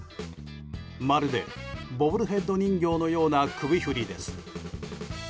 まるでボブルヘッド人形のような首振りです。